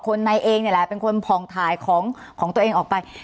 คนในเองเป็นคนพองทายของตัวเองออกไป